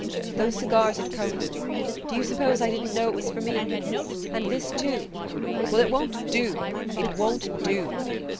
Those cigars at Como: do you suppose I didn't know it was for me? And this too? Well, it won't do... it won't do...."